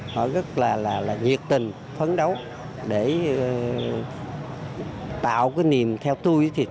họ rất là nhiệt tình phấn đấu để tạo cái niềm theo tôi